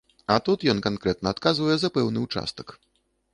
А тут ён канкрэтна адказвае за пэўны ўчастак.